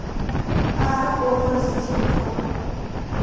Арэп ӏофыр зытетыр.